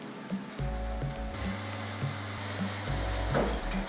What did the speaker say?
di jalan ini doang kuat